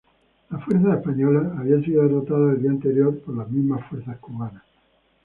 Las fuerzas españolas habían sido derrotadas el día anterior por las mismas fuerzas cubanas.